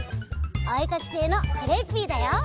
おえかきせいのクレッピーだよ！